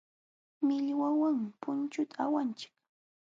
Millwawanmi punchuta awanchik.